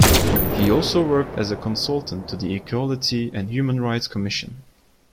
He also worked as a consultant to the Equality and Human Rights Commission.